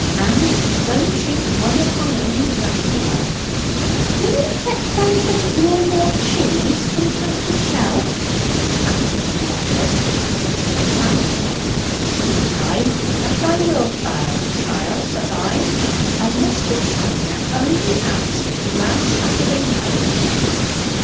"And though she's one of my own flesh and blood ..." "Will you fetch down a bit of raw mil' cheese from pantry shelf?" Fancy interrupted, as if she were famishing. "Ay, that I will, chiel; chiel, says I, and Mr. Shiner only asking last Saturday night